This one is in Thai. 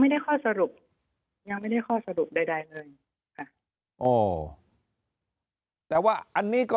ไม่ได้ข้อสรุปยังไม่ได้ข้อสรุปใดใดเลยค่ะอ๋อแต่ว่าอันนี้ก็